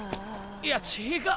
いや違っ。